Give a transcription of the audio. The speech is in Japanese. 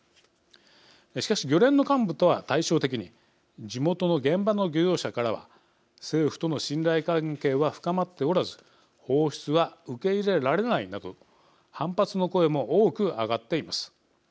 しかし、漁連の幹部とは対照的に地元の現場の漁業者からは政府との信頼関係は深まっておらず放出は受け入れられないなど反発の声も多く上がっています。